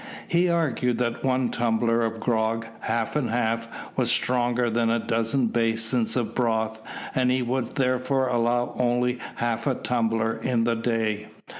He argued that one tumbler of grog, half and half, was stronger than a dozen basins of broth, and he would therefore allow only half a tumbler in the day.